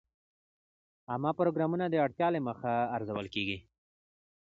عامه پروګرامونه د اړتیا له مخې ارزول کېږي.